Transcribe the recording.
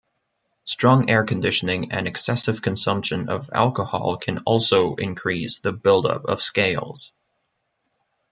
Strong air-conditioning and excessive consumption of alcohol can also increase the buildup of scales.